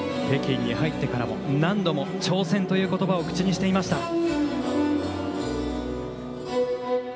北京に入ってからも何度も、挑戦ということばを口にしていました。